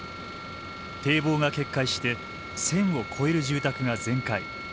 堤防が決壊して１，０００を超える住宅が全壊。